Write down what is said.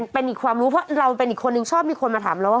เป็นอีกความรู้เพราะเราเป็นอีกคนนึงชอบมีคนมาถามเราว่า